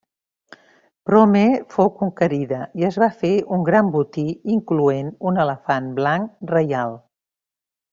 Prome fou conquerida i es va fer un gran botí incloent un elefant blanc reial.